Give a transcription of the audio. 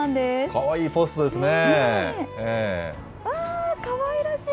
かわいいポストですね。